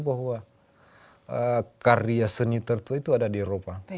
bahwa karya seni tertua itu ada di eropa